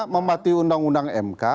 mematuhi undang undang mk